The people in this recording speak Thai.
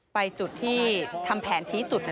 ไปจุดที่ทำแผนทีจุด